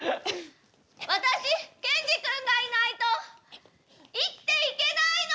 私ケンジ君がいないと生きていけないの！